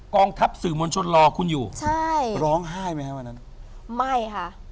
กองทัพสื่อมวลชนรอคุณอยู่ใช่ร้องไห้ไหมฮะวันนั้นไม่ค่ะ